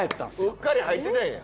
うっかり入ってたんや。